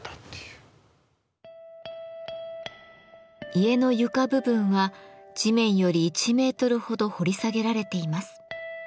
家の床部分は地面より１メートルほど掘り下げられています。